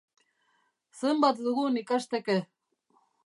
Zenbat dugun ikasteke!